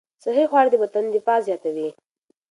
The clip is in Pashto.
صحي خواړه د بدن دفاع زیاتوي.